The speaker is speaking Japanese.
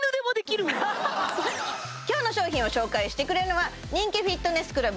今日の商品を紹介してくれるのは人気フィットネスクラブ